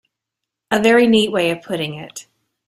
A very neat way of putting it.